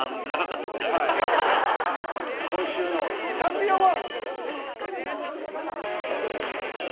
今週のチャンピオンは。